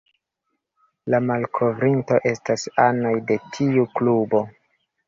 La malkovrintoj estas anoj de tiu klubo.